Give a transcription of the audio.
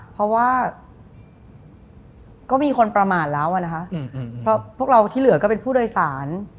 เพราะว่าก็มีคนประมาทแล้วอะนะคะเพราะพวกเราที่เหลือก็เป็นผู้โดยสาร